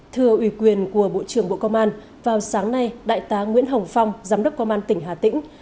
thưa ủy quyền của bộ trưởng bộ công an vào sáng nay đại tá nguyễn hồng phong giám đốc công an tỉnh hà tĩnh